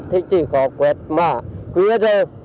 thì chỉ có quẹt mã quý rơ